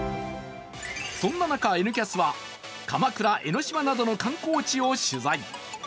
そんな中、「Ｎキャス」は鎌倉、江の島などの観光地を取材。